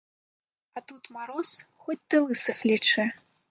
А тут мароз, хоць ты лысых лічы!